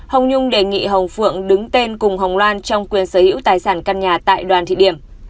hồng nhung đề nghị hồng phượng đứng tên cùng hồng loan trong quyền sở hữu tài sản căn nhà tại đoàn thị điểm